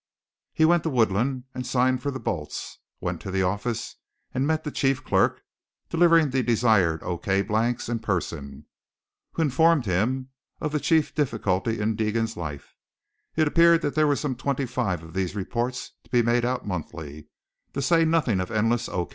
He went to Woodlawn and signed for the bolts; went to the office and met the chief clerk (delivering the desired O. K. blanks in person) who informed him of the chief difficulty in Deegan's life. It appeared that there were some twenty five of these reports to be made out monthly, to say nothing of endless O.